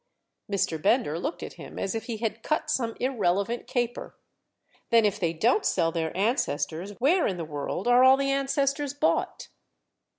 Mr. Bender looked at him as if he had cut some irrelevant caper. "Then if they don't sell their ancestors where in the world are all the ancestors bought?"